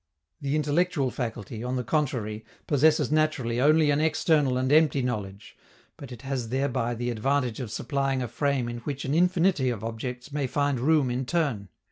The intellectual faculty, on the contrary, possesses naturally only an external and empty knowledge; but it has thereby the advantage of supplying a frame in which an infinity of objects may find room in turn.